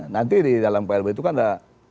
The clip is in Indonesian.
nanti di dalam plb itu kan ada